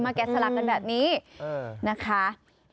แกะสลักกันแบบนี้นะคะ